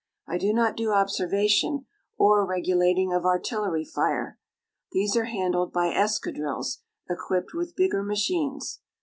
I do not do observation, or regulating of artillery fire. These are handled by escadrilles equipped with bigger machines.